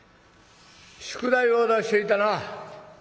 宿題を出していたな。